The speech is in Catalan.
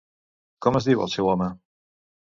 Com es diu el seu home?